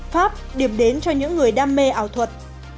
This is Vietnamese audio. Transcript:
pháp điểm đến cho những người đam mê ảo thuật